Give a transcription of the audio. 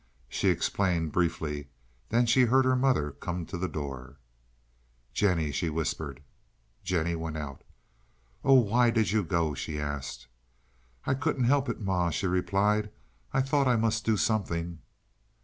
She explained briefly, then she heard her mother come to the door. "Jennie," she whispered. Jennie went out. "Oh, why did you go?" she asked. "I couldn't help it, ma," she replied. "I thought I must do something."